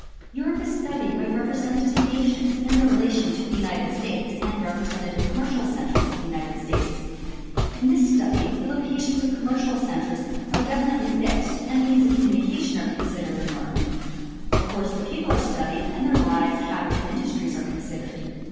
Europe is studied by representative nations in their relation to the United States and representative commercial centers of the United States. In this study the locations of , commercial centers are definitely fixed and means of communi cation are considered and learned. Of course the people are studied, and their lives, habits and industries are considered.